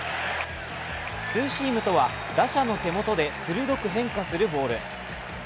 ツーシームとは、打者の手元で鋭く変化するボール。